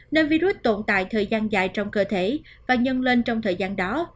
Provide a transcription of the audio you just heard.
nơi virus tồn tại thời gian dài trong cơ thể và nhân lên trong thời gian đó